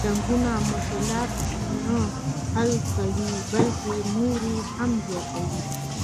جنګونه مشلات نه حل کوي بلکه نور یې هم زیاتوي.